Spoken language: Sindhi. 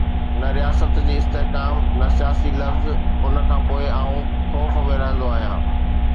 نه رياست جي استحڪام، نه سياسي لفظ، ان کان پوء آئون خوف ۾ رهندو آهيان.